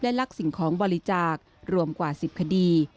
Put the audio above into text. ลักสิ่งของบริจาครวมกว่า๑๐คดี